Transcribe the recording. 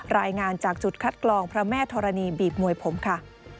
รายงานจากจุดคัดกรองพระแม่ธรณีบีบมวยผมค่ะ